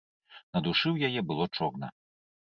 На душы ў яе было чорна.